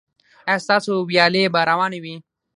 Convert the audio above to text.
ایا ستاسو ویالې به روانې وي؟